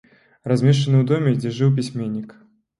Размешчаны ў доме, дзе жыў пісьменнік.